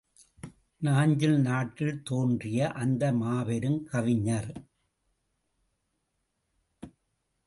நாஞ்சில் நாட்டில் தோன்றிய அந்த மாபெரும் கவிஞர்.